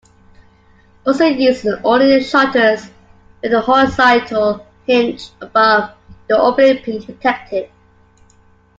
Also used are awning shutters, with a horizontal hinge above the opening being protected.